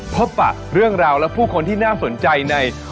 ปะเรื่องราวและผู้คนที่น่าสนใจใน